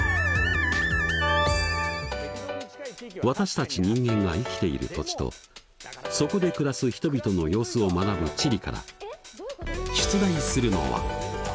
私たち人間が生きている土地とそこで暮らす人々の様子を学ぶ「地理」から出題するのは。